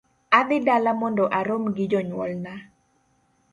Adhi dala mondo arom gi jonyuolna